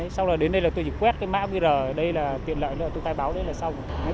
sau đó đến đây tôi chỉ quét mã qr đây là tiện lợi tôi khai báo đây là xong